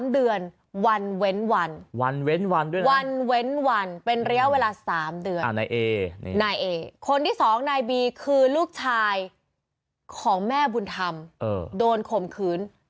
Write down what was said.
๓เดือนวันเว้นวันวันเว้นวันด้วยนะวันเว้นวันเป็นเรียวเวลา๓เดือน